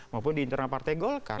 maupun di internal partai golkar